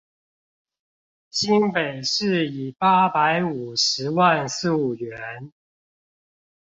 新北市以八百五十萬溯源